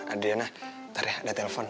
adriana ntar ya ada telfon